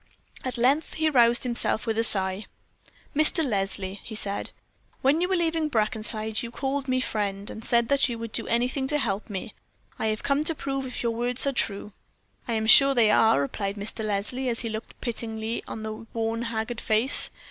At length he roused himself with a sigh. "Mr. Leslie," he said, "when you were leaving Brackenside you called me friend, and said that you would do anything to help me. I have come to prove if your words are true." "I am sure they are," replied Mr. Leslie, as he looked pityingly on the worn, haggard face.